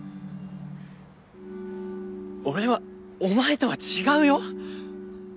俺はお前とは違うよ？